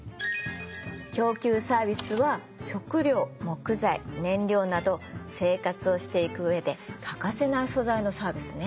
供給サービスは食料木材燃料など生活をしていく上で欠かせない素材のサービスね。